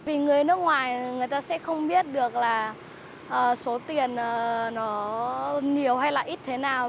vì người nước ngoài người ta sẽ không biết được là số tiền nó nhiều hay là ít thế nào